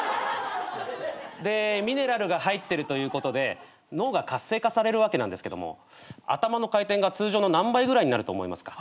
でミネラルが入ってるということで脳が活性化されるわけなんですけども頭の回転が通常の何倍ぐらいになると思いますか？